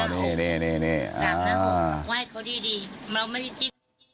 นี่นี่